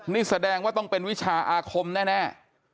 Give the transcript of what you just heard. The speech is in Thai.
นี่แสดงว่าต้องเป็นวิชาอาคมแน่